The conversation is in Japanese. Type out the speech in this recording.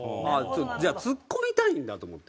じゃあツッコみたいんだと思って。